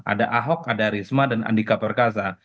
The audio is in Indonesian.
ada ahok adarisma dan andika perkasa